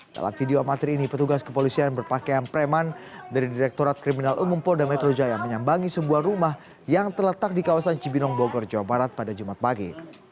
dalam video amatir ini petugas kepolisian berpakaian preman dari direktorat kriminal umum polda metro jaya menyambangi sebuah rumah yang terletak di kawasan cibinong bogor jawa barat pada jumat pagi